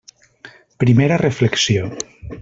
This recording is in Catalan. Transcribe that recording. Primera reflexió.